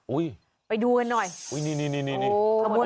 อุ้ยไปดูกันหน่อยอุ้ยนี่นี่นี่นี่นี่โอ้ย